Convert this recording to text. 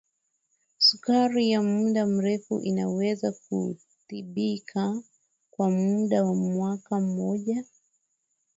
sukari ya muda mrefu inaweza kutibika kwa muda wa mwaka mmoja